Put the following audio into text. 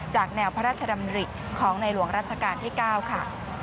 จากแนวพระราชดำริของในหลวงรัชกาลที่๙ค่ะ